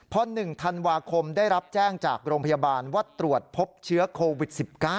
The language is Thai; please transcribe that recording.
พอ๑ธันวาคมได้รับแจ้งจากโรงพยาบาลว่าตรวจพบเชื้อโควิด๑๙